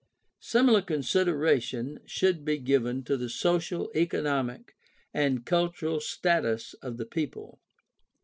— Similar consideration should be given to the social, economic, and cultural status of the people.